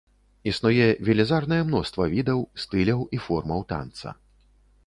Існуе велізарнае мноства відаў, стыляў і формаў танца.